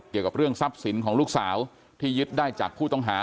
เกี่ยวกับเรื่องทรัพย์สินของลูกสาวที่ยึดได้จากผู้ต้องหา